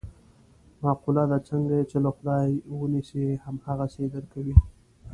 مقوله ده: څنګه یې چې له خدایه و نیسې هم هغسې یې در کوي.